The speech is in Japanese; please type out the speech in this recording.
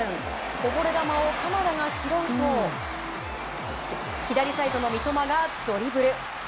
こぼれ球を鎌田が拾うと左サイドの三笘がドリブル。